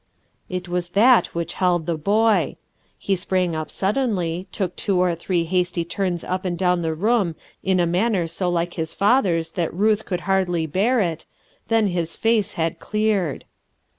It was that which held the boy. He sprang up suddenly, took two or three hasty turns up and down the room in a manner so like his father's that Ruth could hardly bear it, then his faee had cleared.